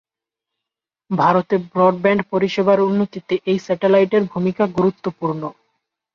ভারতে ব্রডব্যান্ড পরিষেবার উন্নতিতে এই স্যাটেলাইটের ভূমিকা গুরুত্বপূর্ণ।